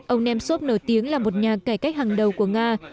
ông nemsov nổi tiếng là một nhà cải cách hàng đầu của nga